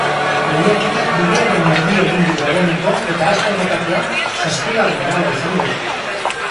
Lehiaketak bidearen erdia egin du dagoeneko eta aste honetakoa zazpigarren gala izango da.